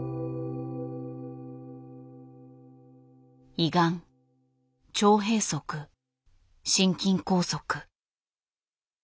胃がん腸閉塞心筋梗塞。